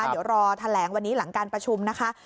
เดี๋ยวรอแถลงวันนี้หลังการประชุมนะคะ